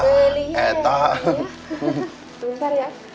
tunggu sebentar ya